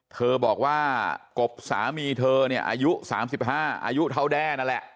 เธอบอกว่ากบสามีเธอเนี่ยอายุ๓๕อายุเท่าแด้นั่นแหละ